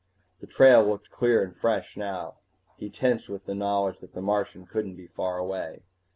The trail looked clear and fresh now. He tensed with the knowledge that the Martian couldn't be far away.